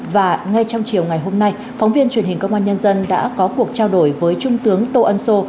và ngay trong chiều ngày hôm nay phóng viên truyền hình công an nhân dân đã có cuộc trao đổi với trung tướng tô ân sô